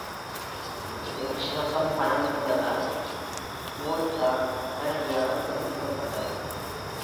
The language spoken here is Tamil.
Busch வசம் பணம் இருந்ததால், ballpark உடனடியாக புதுப்பிக்கப்பட்டது.